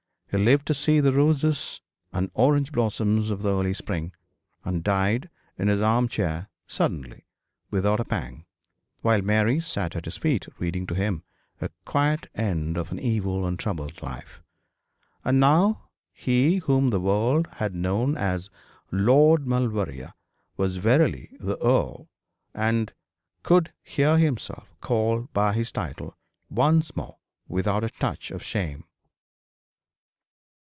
He lived to see the roses and orange blossoms of the early spring, and died in his arm chair suddenly, without a pang, while Mary sat at his feet reading to him: a quiet end of an evil and troubled life. And now he whom the world had known as Lord Maulevrier was verily the earl, and could hear himself called by his title once more without a touch of shame.